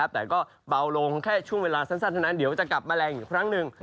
แต่ก็เบาลงแค่ช่วงเวลาสั้นเท่านั้นเดี๋ยวจะกลับมาแรงอีกครั้งหนึ่ง